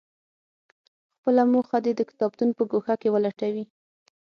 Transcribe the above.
خپله موخه دې د کتابتون په ګوښه کې ولټوي.